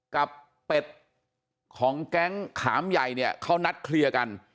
เป็ดของแก๊งขามใหญ่เนี่ยเขานัดเคลียร์กัน